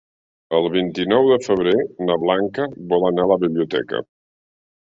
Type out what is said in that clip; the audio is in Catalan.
El vint-i-nou de febrer na Blanca vol anar a la biblioteca.